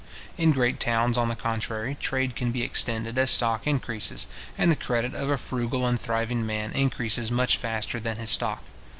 In great towns, on the contrary, trade can be extended as stock increases, and the credit of a frugal and thriving man increases much faster than his stock.